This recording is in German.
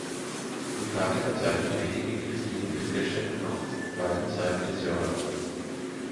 Die Karte verzeichnet wichtige christliche Pilgerstätten auf beiden Seiten des Jordan.